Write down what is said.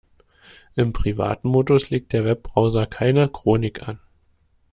Im privaten Modus legt der Webbrowser keine Chronik an.